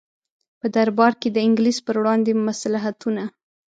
په دربار کې د انګلیس پر وړاندې مصلحتونه.